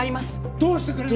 どうしてくれるんだ！